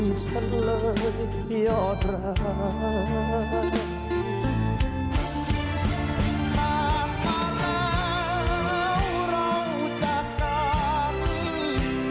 มามาแล้วเราจะการ